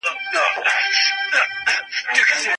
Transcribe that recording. هغه سړکونه چی پاخه دي تګ راتګ اسانوي.